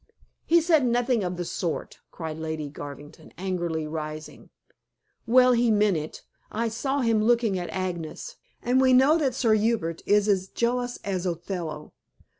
"He said nothing of the sort," cried Lady Garvington, angrily rising. "Well, he meant it. I saw him looking at Agnes. And we know that Sir Hubert is as jealous as Othello.